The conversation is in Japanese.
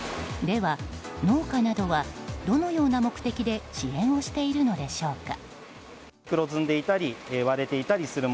では、農家などはどのような目的で支援をしているのでしょうか。